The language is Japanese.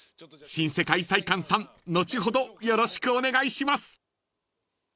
［新世界菜館さん後ほどよろしくお願いします］